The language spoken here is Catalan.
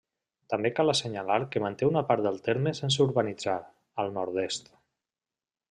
També cal assenyalar que manté una part del terme sense urbanitzar, al nord-est.